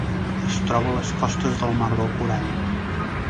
Es troba a les costes del Mar del Corall.